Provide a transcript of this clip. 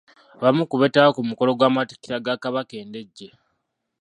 Abamu ku beetaba ku mukolo gw'amatikkira ga Kabaka e Ndejje.